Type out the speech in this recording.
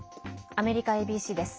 アメリカＡＢＣです。